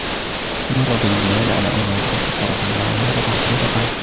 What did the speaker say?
فَمَرَّ بِالْمَالِ عَلَى عُمَرَ بْنِ الْخَطَّابِ رَضِيَ اللَّهُ عَنْهُ فَقَالَ